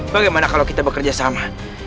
bagaimana kalau kita bekerja sama